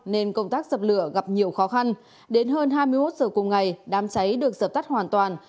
nên công tác dập lửa gặp nhiều khó khăn đến hơn hai mươi một giờ cùng ngày đám cháy được dập tắt hoàn toàn